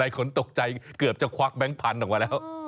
อะไรขนตกใจเกือบจะควักแบงค์พันออกมาแล้ว